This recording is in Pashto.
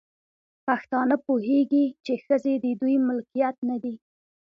پښتانه پوهيږي، چې ښځې د دوی ملکيت نه دی